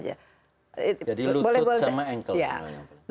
jadi lutut sama ankle